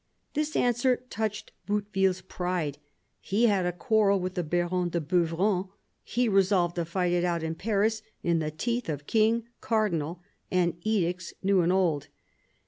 This answer touched Bouteville's pride. He had a quarrel with the Baron de Beuvron ; he resolved to fight it out in Paris in the teeth of King, Cardinal, and edicts new and old.